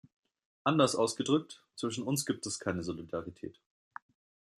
Anders ausgedrückt, zwischen uns gibt es keine Solidarität.